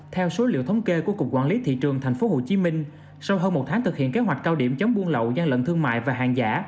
theo số liệu thống kê của cục quản lý thị trường tp hcm sau hơn một tháng thực hiện kế hoạch cao điểm chống buôn lậu gian lận thương mại và hàng giả